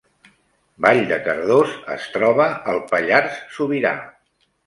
Vall de Cardós es troba al Pallars Sobirà